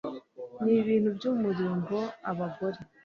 n ibintu by umurimbo abagore